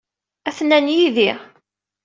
Atnan yid-i.